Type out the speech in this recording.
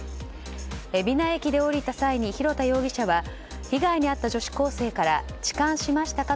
海老名駅で降りた際に廣田容疑者は被害に遭った女子高生から痴漢しましたか？